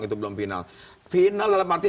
itu belum final final dalam arti